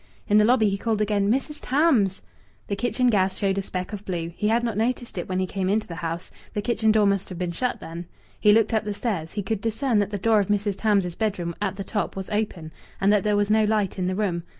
In the lobby he called again, "Mrs. Tams!" The kitchen gas showed a speck of blue. He had not noticed it when he came into the house: the kitchen door must have been shut, then. He looked up the stairs. He could discern that the door of Mrs. Tams's bedroom, at the top, was open, and that there was no light in the room.